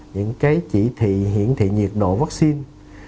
những cái chỉ thị hiển thị nhiệt độ vaccine